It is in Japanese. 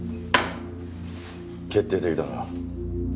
決定的だな。